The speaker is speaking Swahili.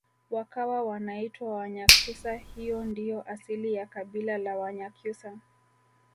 wakawa wanaitwa wanyakyusa hiyo ndiyo asili ya kabila la wanyakyusa